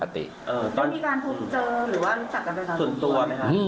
แล้วที่การพูดเจอหรือว่ารู้จักกันเป็นคนส่วนตัวไหมครับ